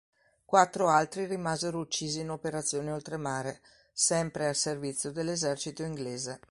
Quattro altri rimasero uccisi in operazioni oltremare, sempre al servizio dell'esercito inglese.